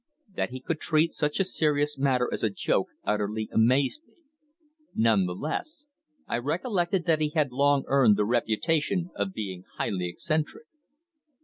That he could treat such a serious matter as a joke utterly amazed me. Nevertheless, I recollected that he had long earned the reputation of being highly eccentric.